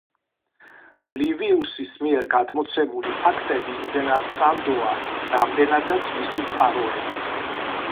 ლივიუსის მიერ გადმოცემული ფაქტები იმდენად სანდოა, რამდენადაც მისი წყაროები.